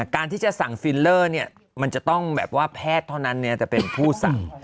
การที่จะสั่งฟิลเลอร์มันจะต้องแบบว่าแพทย์เท่านั้นจะเป็นผู้สั่ง